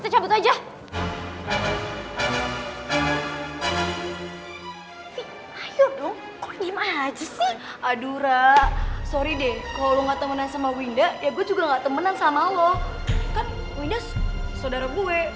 tuh tiara tiara